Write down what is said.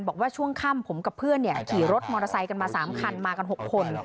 บอกว่าช่วงค่ำผมกับเพื่อนขี่รถมอเตอร์ไซค์กันมา๓คันมากัน๖คน